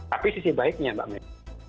tapi sisi baiknya mbak may